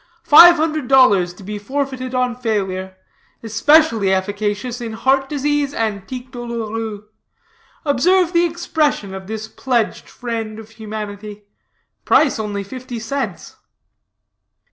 Five hundred dollars to be forfeited on failure. Especially efficacious in heart disease and tic douloureux. Observe the expression of this pledged friend of humanity. Price only fifty cents."